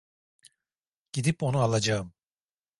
Gidip onu alacağım.